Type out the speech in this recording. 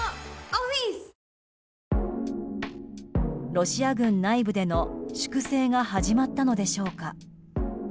ロシア軍内部での粛清が始まったのでしょうか。